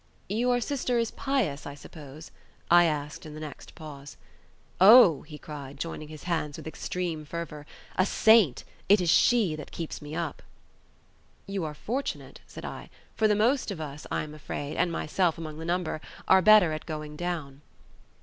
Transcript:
"Your sister is pious, I suppose?" I asked in the next pause. "Oh!" he cried, joining his hands with extreme fervour, "a saint; it is she that keeps me up." "You are very fortunate," said I, "for the most of us, I am afraid, and myself among the number, are better at going down."